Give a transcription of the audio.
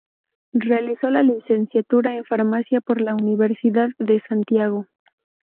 Realizó la licenciatura en Farmacia por la Universidad de Santiago.